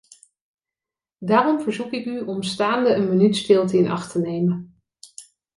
Daarom verzoek ik u om staande een minuut stilte in acht te nemen.